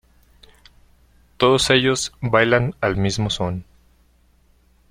Todos ellos bailan al mismo son.